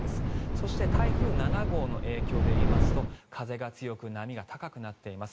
そして台風７号の影響で言いますと風が強く波が高くなっています。